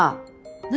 何？